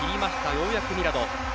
ようやくミラド。